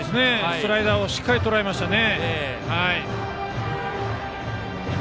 スライダーをしっかりとらえましたね。